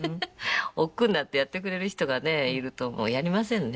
おっくうになってやってくれる人がいるともうやりませんね。